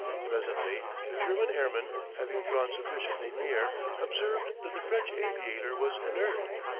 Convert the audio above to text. Presently the German airmen, having drawn sufficiently near, observed that the French aviator was inert.